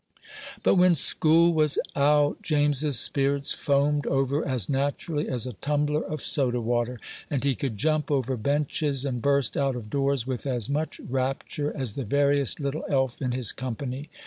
But when "school was out," James's spirits foamed over as naturally as a tumbler of soda water, and he could jump over benches and burst out of doors with as much rapture as the veriest little elf in his company.